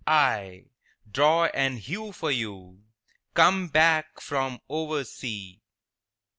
—aye, draw and hew for you, Come back from oversea."